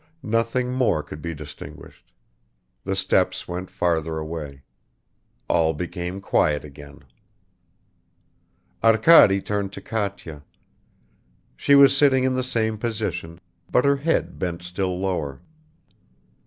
Nothing more could be distinguished; the steps went farther away ... all became quiet again. Arkady turned to Katya. She was sitting in the same position, but her head bent still lower.